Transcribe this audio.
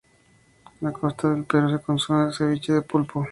En la costa del Perú se consume el cebiche de pulpo.